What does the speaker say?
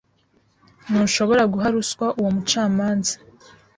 Ntushobora guha ruswa uwo mucamanza.